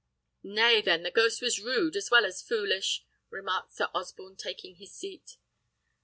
"Nay, then, the ghost was rude as well as foolish," remarked Sir Osborne, taking his seat.